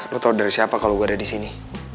lo tau dari siapa kalo gue ada disini